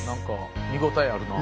見応えあるなあ。